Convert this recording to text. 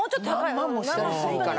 何万もしたりするから。